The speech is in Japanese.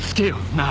なあ。